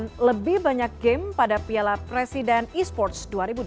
dan lebih banyak game pada piala presiden esports dua ribu dua puluh tiga